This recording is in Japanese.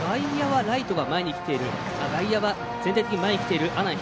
内野は全体的に前に来ている阿南光。